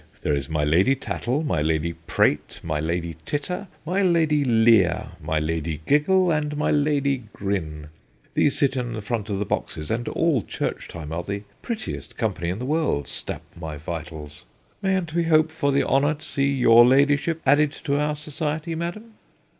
There is my Lady Tattle, my Lady Prate, my Lady Titter, my Lady Leer, my Lady Giggle, and my Lady Grin. These sit in the front of the boxes, and all church time are the prettiest company in the world, stap my vitals. Mayn't we hope for the honour to see your ladyship added to our society, madam